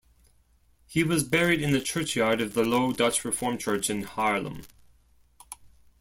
He was buried in the churchyard of the Low Dutch Reformed Church in Haarlem.